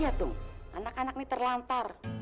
iya tuh anak anak ini terlantar